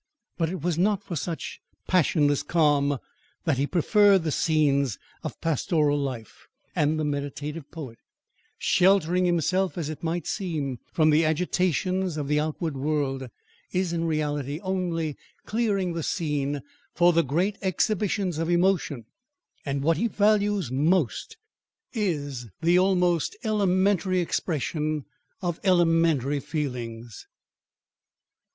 But it was not for such passionless calm that he preferred the scenes of pastoral life; and the meditative poet, sheltering himself, as it might seem, from the agitations of the outward world, is in reality only clearing the scene for the great exhibitions of emotion, and what he values most is the almost elementary expression of elementary feelings.